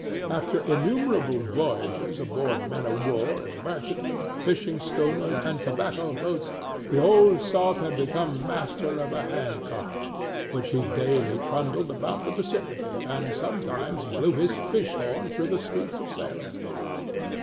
After innumerable voyages aboard men of war and merchantmen, fishing schooners and chebacco boats, the old salt had become master of a hand cart, which he daily trundled about the vicinity, and sometimes blew his fish horn through the streets of Salem.